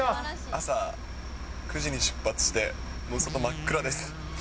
朝９時に出発して、もう外真っ暗です。